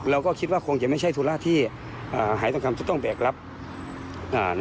เราก็คิดว่าคงจะไม่ใช่ธุระที่อ่าหายทองคำจะต้องแบกรับ